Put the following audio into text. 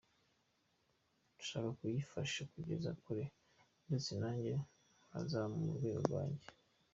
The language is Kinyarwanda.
Ndashaka kuyifasha kugera kure ndetse nanjye nkazamura urwego rwanjye.